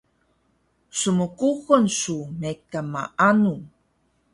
Smkuxul su mekan maanu?